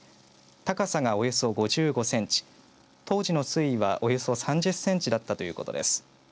高さがおよそ５５センチ当時の水位は、およそ３０センチだったということです。